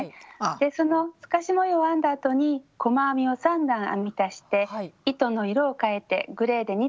でその透かし模様を編んだあとに細編みを３段編み足して糸の色を変えてグレーで２段編んでいます。